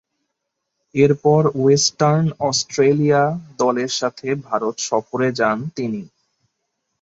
এরপর Western Australia দলের সাথে ভারত সফরে যান তিনি।